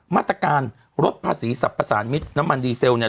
มาตรการลดภาษีสรรพสารมิตรน้ำมันดีเซลเนี่ย